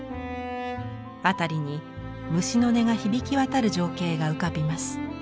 辺りに虫の音が響き渡る情景が浮かびます。